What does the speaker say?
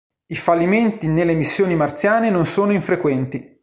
I fallimenti nelle missioni marziane non sono infrequenti.